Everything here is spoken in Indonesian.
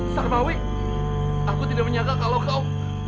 sarbawi aku tidak menyangka kalau kau